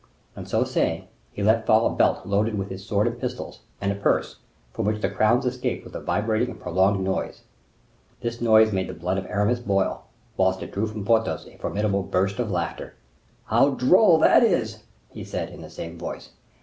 And so saying, he let fall a belt loaded with his sword and pistols, and a purse, from which the crowns escaped with a vibrating and prolonged noise. This noise made the blood of Aramis boil, whilst it drew from Porthos a formidable burst of laughter. "How droll that is!" said he, in the same voice.